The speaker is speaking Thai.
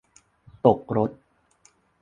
ตกรถ